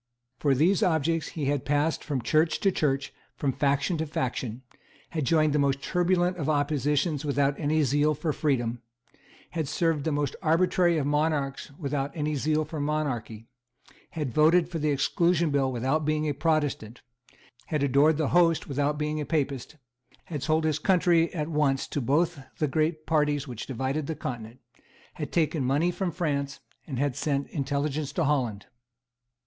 For these objects he had passed from Church to Church and from faction to faction, had joined the most turbulent of oppositions without any zeal for freedom, and had served the most arbitrary of monarchs without any zeal for monarchy; had voted for the Exclusion Bill without being a Protestant, and had adored the Host without being a Papist; had sold his country at once to both the great parties which divided the Continent; had taken money from France, and had sent intelligence to Holland.